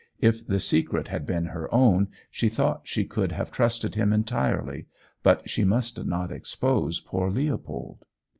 If the secret had been her own, she thought she could have trusted him entirely; but she must not expose poor Leopold.